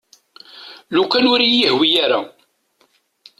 Lukan ur iyi-yehwi ara.